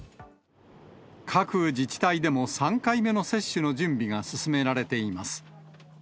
各自治体でも３回目の接種の準備が進められています。